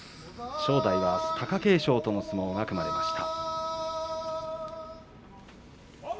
正代は、あす貴景勝との取組が組まれました。